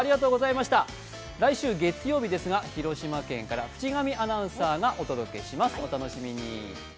来週月曜日ですが、広島県から渕上アナウンサーがお送りします。